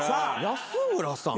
安村さん。